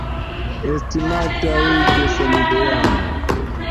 Estimataj gesamideanoj!